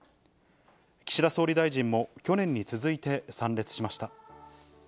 岸田総理大臣も去年に続いて参列しました。